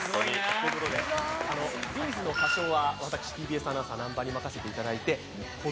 ということで、Ｂ’ｚの歌唱は私、ＴＢＳアナウンサー・南波に任せていただいてこー